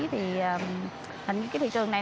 thì hình như cái thị trường này